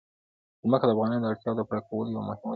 ځمکه د افغانانو د اړتیاوو د پوره کولو یوه مهمه وسیله ده.